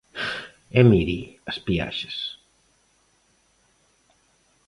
E mire, as peaxes.